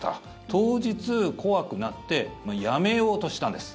当日、怖くなってやめようとしたんです。